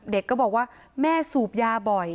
ก็บอกว่าแม่สูบยาบ่อย